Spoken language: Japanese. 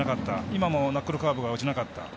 今もナックルカーブが落ちなかった。